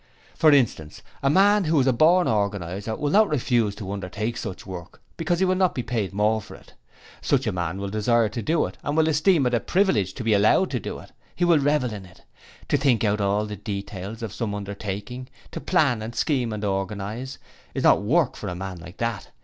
For instance a man who is a born organizer will not refuse to undertake such work because he will not be paid more for it. Such a man will desire to do it and will esteem it a privilege to be allowed to do it. He will revel in it. To think out all the details of some undertaking, to plan and scheme and organize, is not work for a man like that.